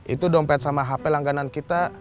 itu dompet sama hp langganan kita